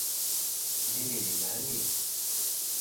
Mimi ni nani?